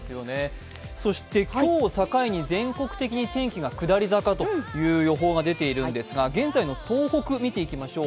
そして今日を境に全国的に天気が下り坂という予報が出ているんですが現在の東北見ていきましょう。